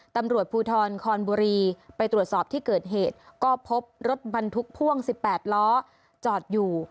ตำรวจภูทรคอนบุรีไปตรวจสอบที่เกิดเหตุก็พบรถบรรทุกพ่วง๑๘ล้อจอดอยู่